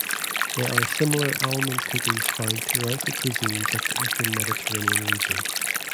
There are similar almond cookies found throughout the cuisines of the eastern Mediterranean region.